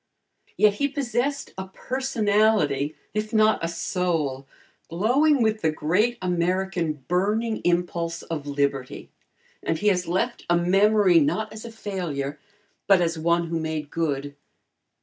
Yet he possessed a personality, if not a soul, glowing with the great American burning impulse of liberty, and he has left a memory, not as a failure, but as one who made good.